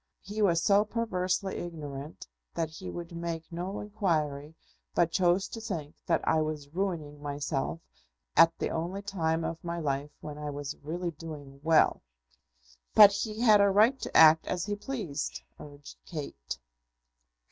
He was so perversely ignorant that he would make no inquiry, but chose to think that I was ruining myself, at the only time of my life when I was really doing well." "But he had a right to act as he pleased," urged Kate.